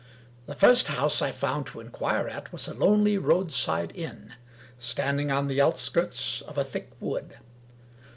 The first house I found to inquire at, was a lonely roadside inn, standing on the outskirts of a thick wood.